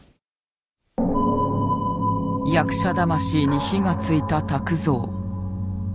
役者魂に火が付いた拓三。